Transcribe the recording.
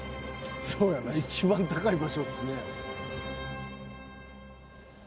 「そうやな一番高い場所ですね」